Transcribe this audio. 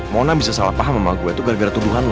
mona bisa salah paham sama gua itu gara gara tuduhan